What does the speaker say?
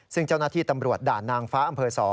ซึ่งเจ้าหน้าที่ตำรวจด่านนางฟ้าอำเภอ๒